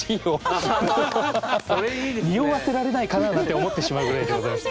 それいいですね。におわせられないかななんて思ってしまうぐらいでございます。